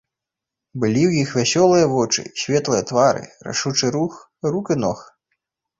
Былі ў іх вясёлыя вочы, светлыя твары, рашучы рух рук і ног.